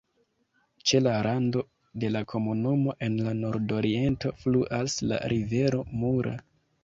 Ĉe la rando de la komunumo en la nordoriento fluas la rivero Mura.